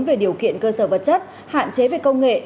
về điều kiện cơ sở vật chất hạn chế về công nghệ